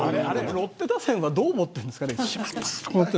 ロッテ打線はどう思っているんですかね。